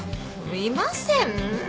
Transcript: いません。